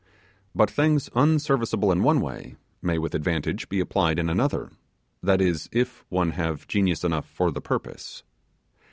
But things unservicable in one way, may with advantage be applied in another, that is, if one have genius enough for the purpose.